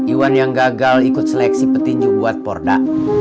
iwan yang gagal ikut seleksi petinju buat porda